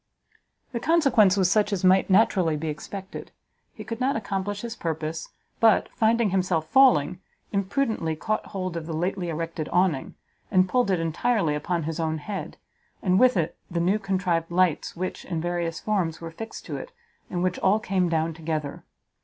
The consequence was such as might naturally be expected; he could not accomplish his purpose, but, finding himself falling, imprudently caught hold of the lately erected Awning, and pulled it entirely upon his own head, and with it the new contrived lights, which, in various forms, were fixed to it, and which all came down together.